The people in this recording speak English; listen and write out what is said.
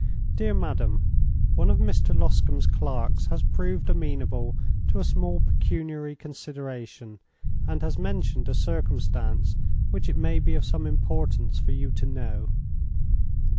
"DEAR MADAM, "One of Mr. Loscombe's clerks has proved amenable to a small pecuniary consideration, and has mentioned a circumstance which it may be of some importance to you to know.